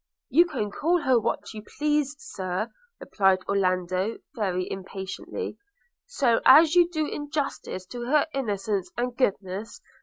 'You can call her what you please, Sir,' replied Orlando very impatiently, 'so as you do justice to her innocence and goodness.